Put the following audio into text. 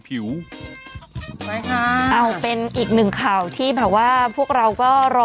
ผิวไหมคะเอาเป็นอีกหนึ่งข่าวที่แบบว่าพวกเราก็รอ